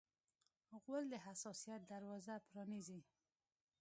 غول د حساسیت دروازه پرانیزي.